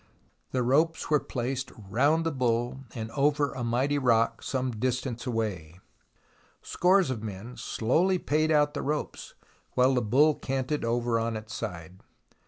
The ropes were placed round the bull, and over a mighty rock some distance away. Scores of men slowly paid out the ropes, while the bull canted over on its side.